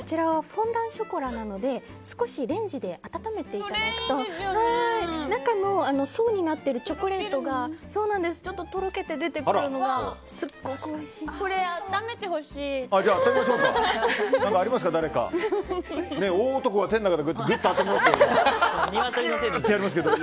フォンダンショコラなので少しレンジで温めていただくと中の層になってるチョコレートがちょっととろけて出てくるのがすっごくおいしいんです。